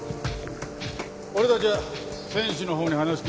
俺たちは選手のほうに話聞いてくる。